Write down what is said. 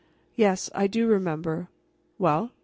"Yes, I do remember. Well?"